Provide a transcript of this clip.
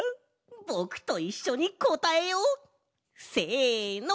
ぼくといっしょにこたえよう！せの！